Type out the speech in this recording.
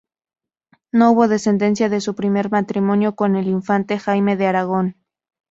No hubo descendencia de su primer matrimonio con el infante Jaime de Aragón.